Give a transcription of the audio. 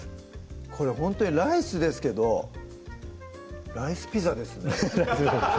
これほんとにライスですけど「ライスピザ」ですね